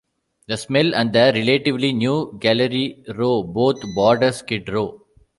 The Smell and the relatively new Gallery Row both border Skid Row.